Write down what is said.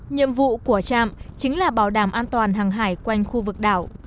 nhiệm vụ của trạm chính là bảo đảm an toàn hàng hải quanh khu vực đảo